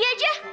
ya pergi aja